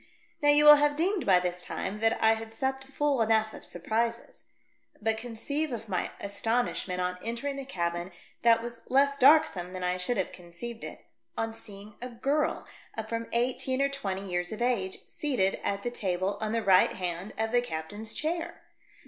Now you will have deemed by this time that I had supped full enough of surprises. But conceive of my astonishment on entering the cabin, that was less darksome than I should have conceived it, on seeing a girl of Il6 THE DEATH SHIP. from eighteen to twenty years of age, seated at the table on the right hand of the captain's chair